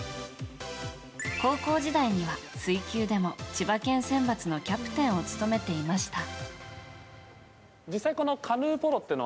高校時代には水球でも千葉県選抜のキャプテンを務めていました。